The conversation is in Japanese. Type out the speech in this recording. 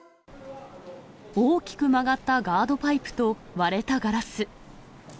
大きく曲がったガードパイプと割れたガラス。